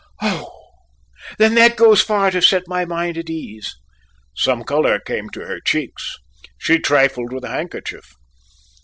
"Oh, then, that goes far to set my mind at ease." Some colour came to her cheeks; she trifled with a handkerchief.